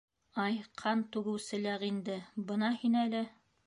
— Ай, ҡан түгеүсе ләғинде, бына һин әле!